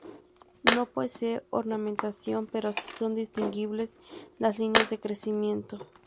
No posee ornamentación pero si son distinguibles las líneas de crecimiento.